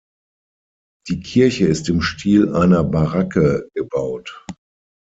Die Kirche ist im Stil einer Baracke gebaut.